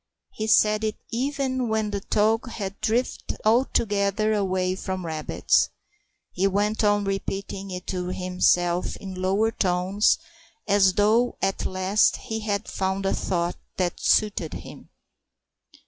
He said it even when the talk had drifted altogether away from rabbits. He went on repeating it to himself in lower tones, as though at last he had found a thought that suited him.